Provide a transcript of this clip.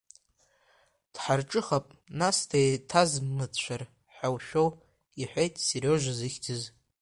Дҳарҿыхап, нас деиҭазмыцәар ҳәа ушәоу, — иҳәеит Сериожа зыхьӡыз.